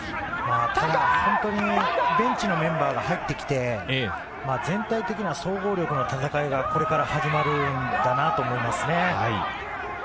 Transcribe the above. ただ本当にベンチのメンバーが入ってきて、全体的には総合力の戦いがこれから始まるんだなと思いますね。